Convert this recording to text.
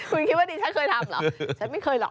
คุณคิดว่าดิฉันเคยทำเหรอฉันไม่เคยหรอก